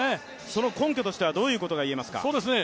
その根拠としてはどういうことがいえますか？